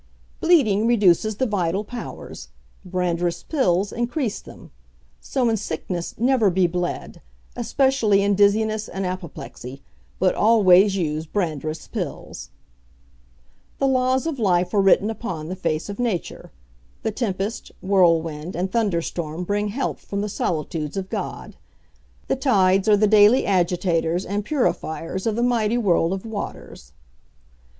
"Bleeding reduces the vital powers; Brandreth's Pills increase them. So in sickness never be bled, especially in Dizziness and Apoplexy, but always use Brandreth's Pills. "The laws of life are written upon the face of Nature. The Tempest, Whirlwind, and Thunder storm bring health from the Solitudes of God. The Tides are the daily agitators and purifiers of the Mighty World of Waters.